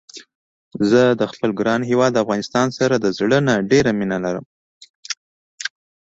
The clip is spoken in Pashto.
زه د خپل ګران هيواد افغانستان سره د زړه نه ډيره مينه لرم